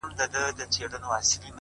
o هغې ويل ه ځه درځه چي کلي ته ځو ـ